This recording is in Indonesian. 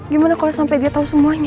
gimana kalau sampai dia tahu semuanya